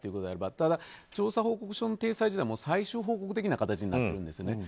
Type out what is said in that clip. ただ調査報告書の体裁自体が最終報告的な形になってるんです。